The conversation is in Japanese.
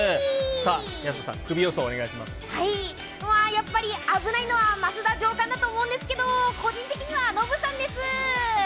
さあ、やす子さん、わー、やっぱり危ないのは増田さんかなと思うんですけど、個人的にはノブさんです。